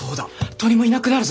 鳥もいなくなるぞ！